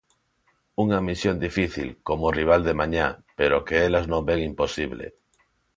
Unha misión difícil, como o rival de mañá, pero que elas non ven imposible.